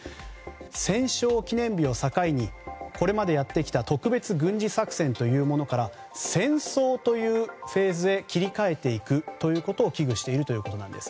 戦勝記念日を境にこれまでやってきた特別軍事作戦というものから戦争というフェーズへ切り替えていくということを危惧しているということです。